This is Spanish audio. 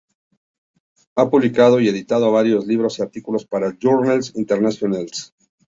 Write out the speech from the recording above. Ha publicado y editado varios libros y artículos para journals internacionales.